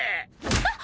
あっ。